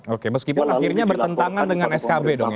oke meskipun akhirnya bertentangan dengan skb dong ya